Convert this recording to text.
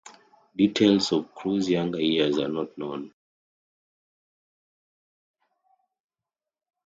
Details of Crus' younger years are not known.